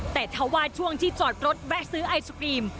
แต่ถ้าว่าช่วงที่จอดรถแวะซื้อไอศกรีม